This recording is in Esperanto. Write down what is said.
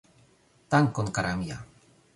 Dankon kara mia